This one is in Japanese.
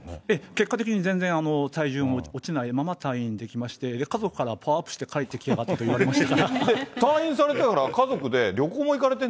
結果的に全然体重も落ちないまま退院できまして、家族からはパワーアップして帰ってきやがったと言われまして。